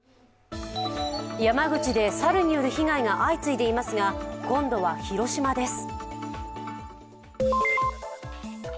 山口で猿による被害が相次いでいますが今度は広島です。